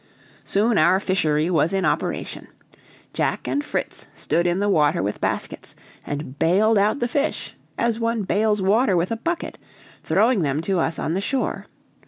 Soon our fishery was in operation. Jack and Fritz stood in the water with baskets, and baled out the fish, as one bales water with a bucket, throwing them to us on the shore.